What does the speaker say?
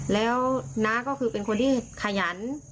แล้วน้าก็คือเป็นคนที่ขยัน